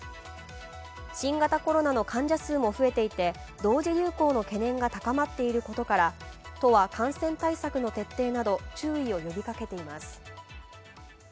新型コロナの患者数も増えていて同時流行の懸念が高まっていることから都は感染対策の徹底など、注意を呼びかけています。